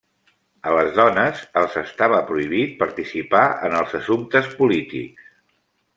A les dones els estava prohibit participar en els assumptes polítics.